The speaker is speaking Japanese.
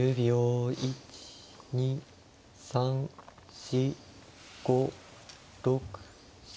１２３４５６７。